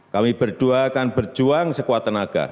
kami berdua akan berjuang sekuat tenaga